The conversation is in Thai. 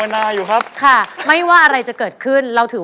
และเข้าไปแล้ว